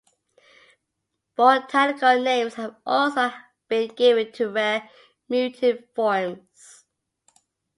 Botanical names have also been given to rare mutant forms.